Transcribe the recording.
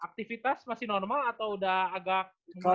aktivitas masih normal atau udah agak